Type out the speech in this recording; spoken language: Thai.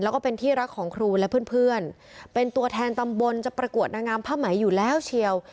แล้วก็เป็นที่รักของครูและเพื่อนเป็นตัวแทนตำบลจะประกวดนางงามผ้าไหมอยู่แล้วเชียว